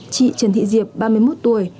chị trần thị diệp ba mươi một tuổi